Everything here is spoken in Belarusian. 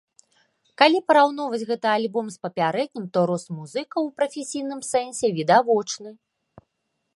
Калі параўноўваць гэты альбом з папярэднім, то рост музыкаў у прафесійным сэнсе відавочны.